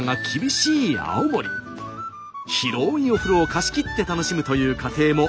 広いお風呂を貸し切って楽しむという家庭も多いんです。